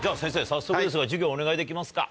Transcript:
早速ですが授業お願いできますか。